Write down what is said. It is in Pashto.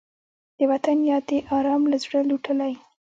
د وطن یاد دې ارام له زړه لوټلی